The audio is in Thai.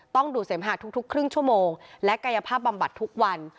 ต้องดูดเสมหะทุกครึ่งชั่วโมงและกายภาพบำบัดทุกวัน